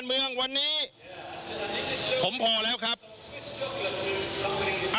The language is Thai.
ชูเว็ดตีแสดหน้า